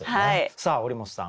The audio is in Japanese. さあ堀本さん